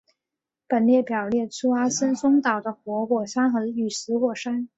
本列表列出阿森松岛的活火山与死火山。